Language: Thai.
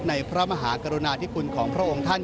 พระมหากรุณาธิคุณของพระองค์ท่าน